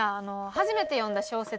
初めて読んだ小説？